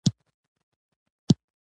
سبا به پسه حلال کړو او مکۍ به هم راوغواړو.